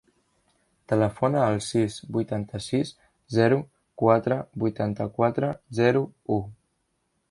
Telefona al sis, vuitanta-sis, zero, quatre, vuitanta-quatre, zero, u.